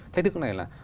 thách thức này là